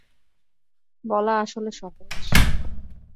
বলা আসলে সহজ।